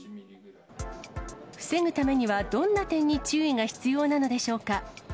防ぐためにはどんな点に注意が必要なのでしょうか。